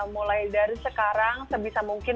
mulai dari sekarang sebisa mungkin